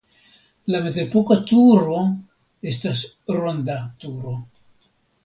La mezepoka turo estas ronda turo.